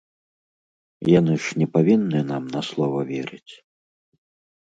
Яны ж не павінны нам на слова верыць.